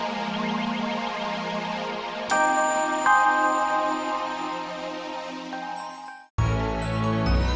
sampai jumpa lagi